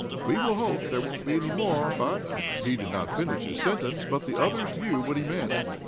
We will hope there won't be any more, but " He did not finish his sentence, but the others knew what he meant.